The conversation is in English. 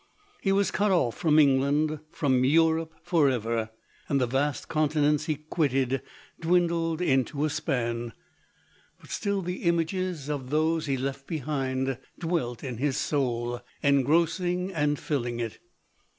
He was cut off from England, from Europe, for ever; and the vast continents he quit ted dwindled into a span ; but still the images of LODORE. 195 those he left behind dwelt in his soul, engros ing and filling it.